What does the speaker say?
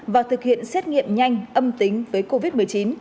và thực hiện xét nghiệm nhanh âm tính với covid một mươi chín